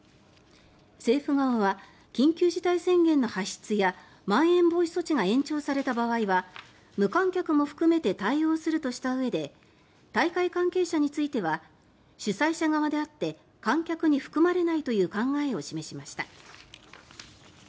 政府側は緊急事態宣言の発出やまん延防止措置が延長された場合は無観客も含めて対応するとしたうえで大会関係者については主催者側であって観客に含まれないという考えを示しました。